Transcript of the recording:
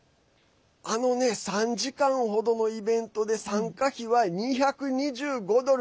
３時間程のイベントで参加費は２２５ドル。